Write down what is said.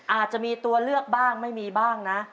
อาจจะมีตัวเลือกบ้างไม่มีบ้างนะ